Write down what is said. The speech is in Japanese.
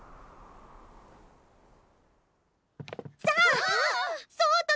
さあ！